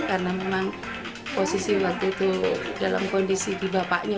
karena memang posisi waktu itu dalam kondisi di bapaknya